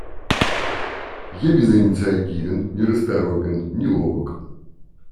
Я безынициативен, нерасторопен, неловок.